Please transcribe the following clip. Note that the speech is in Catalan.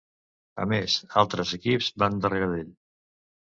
A més, altres equips van darrere d'ell.